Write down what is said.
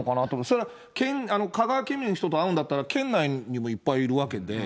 それは、香川県民の人と会うんだったら、県内にもいっぱいいるわけで。